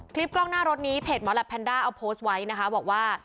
กล้องหน้ารถนี้เพจหมอแหลปแนนด้าเอาโพสต์ไว้นะคะบอกว่า